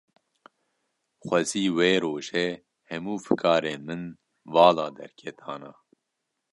Xwezî wê rojê, hemû fikarên min vala derketana